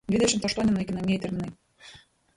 dvidešimt aštuoni naikinamieji terminai